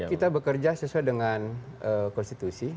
kita bekerja sesuai dengan konstitusi